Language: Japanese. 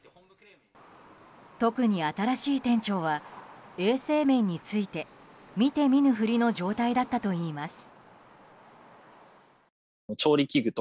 特に新しい店長は衛生面について見て見ぬふりの状態だったといいます。